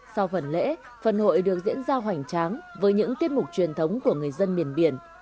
sau phần lễ phần hội được diễn ra hoành tráng với những tiết mục truyền thống của người dân miền biển